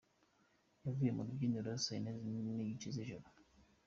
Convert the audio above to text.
Yavuye ku rubyiniro saa yine n’igice z’ijoro.